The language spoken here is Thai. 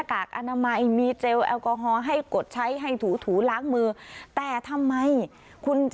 มันอาจจะเสี่ยงต่อการระบาดของโควิด๑๙